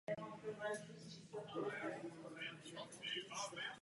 Další podobné hypotetické rekonstrukce se objevují i v pozdějších letech.